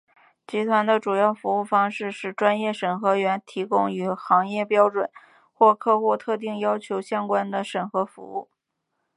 集团的主要服务方式是由专业审核员提供与行业标准或客户特定要求相关的审核服务。